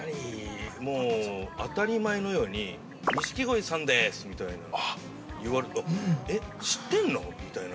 ◆当たり前のように錦鯉さんですみたいな言われて、えっ、知ってんの？みたいな。